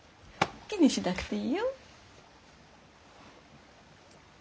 気にしなくていいよ。